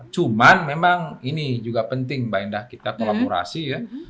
cuman memang ini juga penting mbak indah kita kolaborasi ya